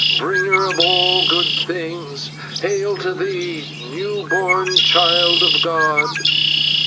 bringer of all good things. Hail to thee, new born child of god!"